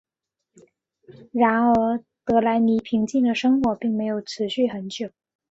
然而德莱尼平静的生活并没有持续很久。